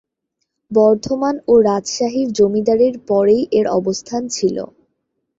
বর্ধমান ও রাজশাহীর জমিদারির পরেই এর অবস্থান ছিল।